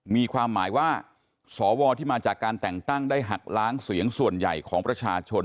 มีความหมายว่าสวที่มาจากการแต่งตั้งได้หักล้างเสียงส่วนใหญ่ของประชาชน